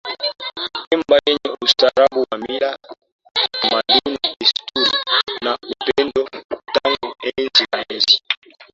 Pemba yenye ustaarabu wa mila tamaduni desturi na upendo tangu enzi na enzi